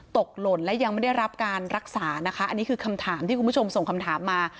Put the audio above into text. หล่นและยังไม่ได้รับการรักษานะคะอันนี้คือคำถามที่คุณผู้ชมส่งคำถามมา